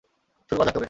শুরু করা যাক তবে?